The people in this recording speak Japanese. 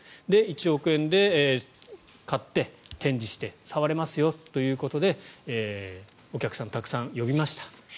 １億円で買って展示して触れますよということでお客さん、たくさん呼びました。